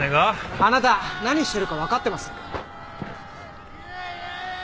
あなた何してるかわかってます？